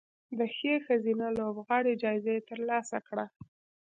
د ښې ښځینه لوبغاړې جایزه ترلاسه کړه